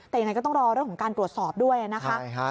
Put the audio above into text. แต่ยังไงก็ต้องรอเรื่องของการตรวจสอบด้วยนะคะ